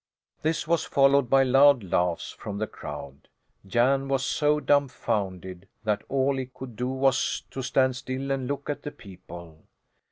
This was followed by loud laughs from the crowd, Jan was so dumfounded that all he could do was to stand still and look at the people.